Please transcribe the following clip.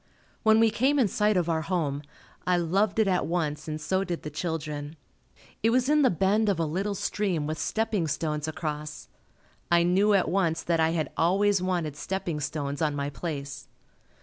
When we came in sight of our home, I loved it at once and so did the children. It was in the bend of a little stream with stepping stones across. I knew at once that I had always wanted stepping stones on my place.